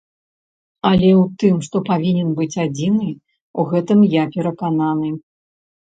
Але ў тым, што павінен быць адзіны, у гэтым я перакананы.